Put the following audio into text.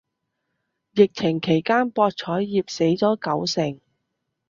疫情期間博彩業死咗九成